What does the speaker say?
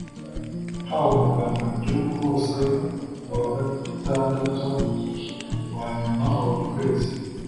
haba umuganda mu gihugu hose kuwa gatandatu wa nyuma wa buri kwezi